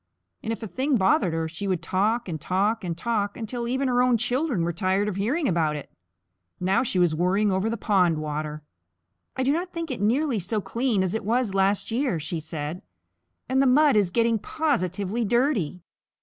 And if a thing bothered her, she would talk and talk and talk until even her own children were tired of hearing about it. Now she was worrying over the pond water. "I do not think it nearly so clean as it was last year," she said, "and the mud is getting positively dirty.